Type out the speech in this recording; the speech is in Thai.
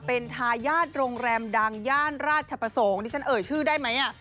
เป็นทายาทโรงแรมดังย่านราชประสงค์ที่ฉันเอ่ยชื่อได้ไหม